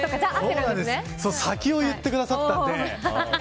先を言ってくださったんで。